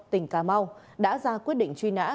tỉnh cà mau đã ra quyết định truy nã